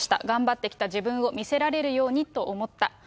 頑張ってきた自分を見せられるようにと思った。